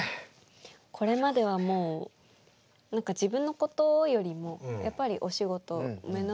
これまではもう何か自分のことよりもやっぱりお仕事目の前にあるもの。